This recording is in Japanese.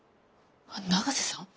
永瀬さん？